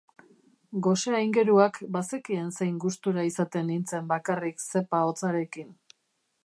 Gose-aingeruak bazekien zein gustura izaten nintzen bakarrik zepa hotzarekin.